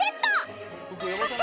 ［そして］